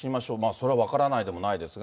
それは分からないでもないですが。